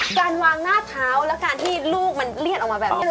การวางหน้าเท้าแล้วการที่ลูกมันเลี่ยนออกมาแบบนี้